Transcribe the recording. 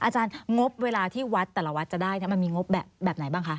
อาจารย์งบเวลาที่วัดแต่ละวัดจะได้มันมีงบแบบไหนบ้างคะ